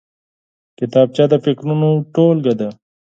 کتابچه د فکرونو ټولګه ده